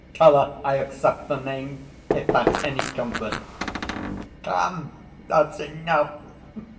Tell her I accept the name, if that's any comfort. Come, that's enough.